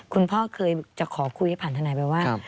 คุณพ่อเคยจะขอคุยให้ผ่านทนายไปว่า